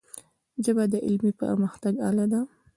ژبه د علمي پرمختګ آله ده.